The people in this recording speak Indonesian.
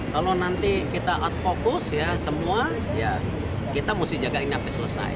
kalau nanti kita outfocus semua kita mesti jagain sampai selesai